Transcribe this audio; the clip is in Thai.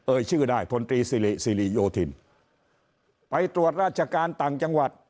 ชื่อได้พลตรีสิริโยธินไปตรวจราชการต่างจังหวัด